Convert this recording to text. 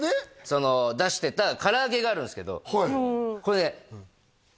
その出してた唐揚げがあるんですけどこれね